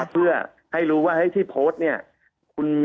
เพื่อให้รู้ว่าที่โพสต์